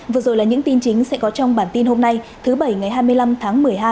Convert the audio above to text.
vừa rồi là những tin chính sẽ có trong bản tin hôm nay thứ bảy ngày hai mươi năm tháng một mươi hai